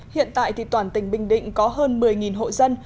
hiện tại thì toàn tỉnh bình định có hơn một mươi hộ dân